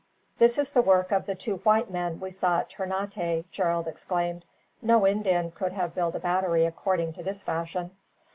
"This is the work of the two white men we saw at Ternate," Gerald exclaimed. "No Indian could have built a battery according to this fashion."